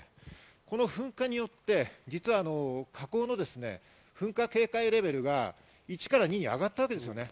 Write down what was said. この噴火によって実は火口の噴火警戒レベルが１から２に上がったわけです。